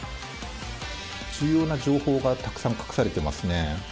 重要な情報がたくさん隠されてますね。